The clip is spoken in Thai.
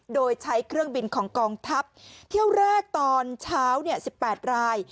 โดยใช้เครื่องบินของกองทัพเที่ยวแรกตอนเช้า๑๘ราย